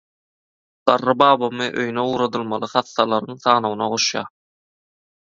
Garry babamy öýüne ugradylmaly hassalaryň sanawyna goşýar.